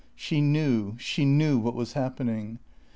She knew, she knew what was happening.